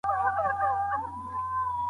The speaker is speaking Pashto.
پکار ده چي په پيل کي هغې ته اطمینان ورکړل سي.